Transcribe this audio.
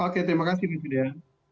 oke terima kasih mbak julia